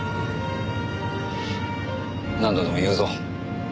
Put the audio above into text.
何度でも言うぞ。